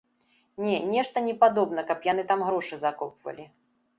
Не, нешта не падобна, каб яны там грошы закопвалі.